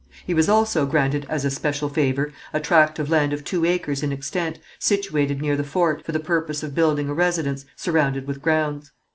He was also granted as a special favour, a tract of land of two acres in extent, situated near the fort, for the purpose of building a residence, surrounded with grounds.